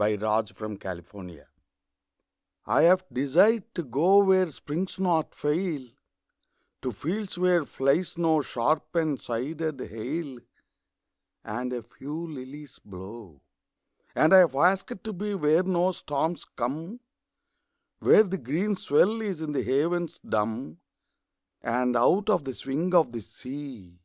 A! HOPWOOD I HAVE DESIRED TO GO I HAVE desired to go Where springs not fail, To fields where flies no sharp and sided hail, And a few lilies blow. And I have asked to be Where no storms come, Where the green swell is in the havens dumb, And out of the swing of the sea.